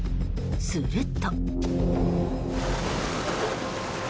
すると。